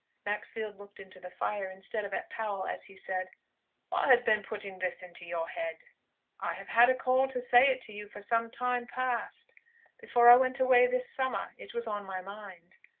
Maxfield looked into the fire instead of at Powell, as he said, "What has been putting this into your head?" "I have had a call to say it to you, for some time past. Before I went away this summer it was on my mind.